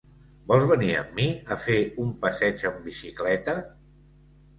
Vols venir amb mi a fer un passeig amb bicicleta?